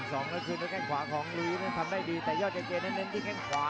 ต่อมา๑๒แล้วคืนด้วยแค่งขวาของลุยิสทำได้ดีแต่ยอดเจเจนั้นเน้นด้วยแค่งขวา